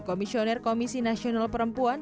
komisioner komisi nasional perempuan